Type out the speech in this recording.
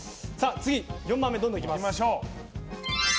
次、４番目どんどんいきます。